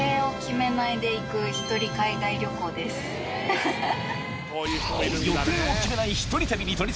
ハハハ。